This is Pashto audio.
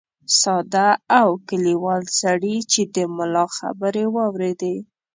ساده او کلیوال سړي چې د ملا خبرې واورېدې.